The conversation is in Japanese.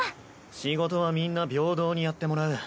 仕事はみんな平等にやってもらう。